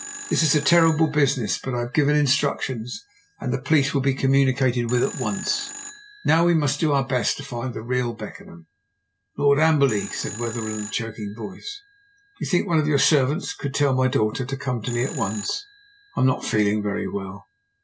This is a terrible business. But I have given instructions, and the police will be communicated with at once. Now we must do our best to find the real Beckenham." "Lord Amberley," said Wetherell, in a choking voice, "do you think one of your servants could tell my daughter to come to me at once? I am not feeling very well."